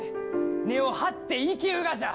根を張って生きるがじゃ。